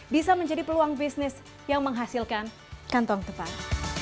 bisa menjadi peluang bisnis yang menghasilkan kantong tepat